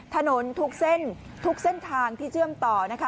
ถนนทุกเส้นทางที่เชื่อมต่อนะคะ